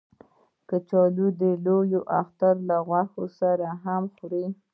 کچالو د لوی اختر له غوښې سره هم خوري